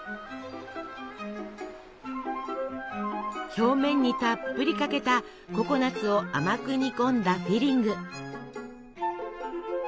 表面にたっぷりかけたココナツを甘く煮込んだフィリング。